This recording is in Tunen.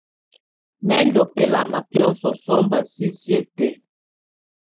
Mɛ ndù bɛlama biɔ́sɔ̀ sɔmba sisiǝ́ tɛ̀á.